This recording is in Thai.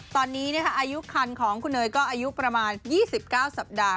ตอนนี้อายุคันของคุณเนยก็อายุประมาณ๒๙สัปดาห์